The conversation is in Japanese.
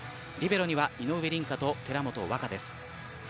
リベロには井上凜香と寺本和華です。